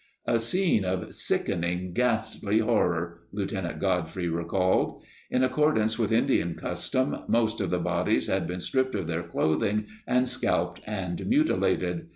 "A scene of sickening ghastly horror," Lieutenant Godfrey re called. In accordance with Indian custom, most of the bodies had been stripped of their clothing and scalped and mutilated.